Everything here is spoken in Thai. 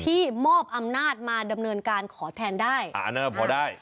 ที่มอบอำนาจมาดำเนินการขอแทนได้อ่านั่นน่ะพอได้